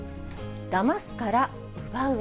だますから奪うへ。